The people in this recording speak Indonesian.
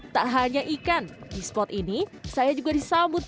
tak hanya ikan di spot ini saya juga disambut